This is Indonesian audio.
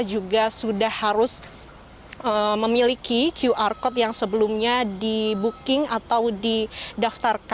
juga sudah harus memiliki qr code yang sebelumnya di booking atau didaftarkan